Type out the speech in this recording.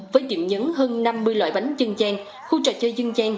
với điểm nhấn hơn năm mươi loại bánh dân gian khu trò chơi dân gian